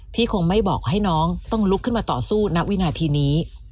คงไม่บอกให้น้องต้องลุกขึ้นมาต่อสู้ณวินาทีนี้